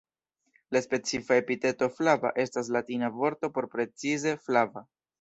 La specifa epiteto "flava" estas latina vorto por precize "flava".